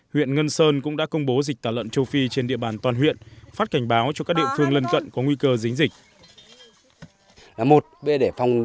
huyện ngân sơn cũng đã công bố dịch tả lợn châu phi trên địa bàn toàn huyện phát cảnh báo cho các địa phương lân cận có nguy cơ dính dịch